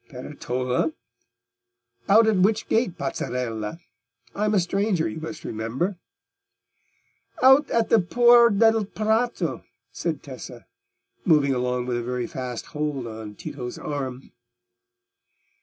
"Peretola? Out at which gate, pazzarella? I am a stranger, you must remember." "Out at the Por del Prato," said Tessa, moving along with a very fast hold on Tito's arm.